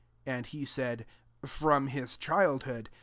And he said, " From his childhood.